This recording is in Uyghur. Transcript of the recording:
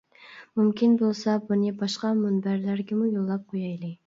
مۇمكىن بولسا بۇنى باشقا مۇنبەرلەرگىمۇ يوللاپ قويايلى.